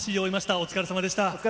お疲れさまでした。